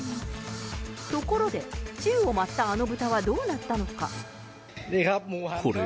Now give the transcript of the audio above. ところで、宙を舞ったあの豚はどうなったのか。